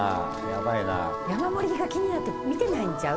ヤバイな山盛りが気になって見てないんちゃう？